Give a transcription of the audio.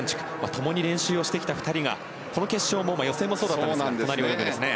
ともに練習してきた２人がこの決勝で予選もそうだったんですが隣を泳ぐんですね。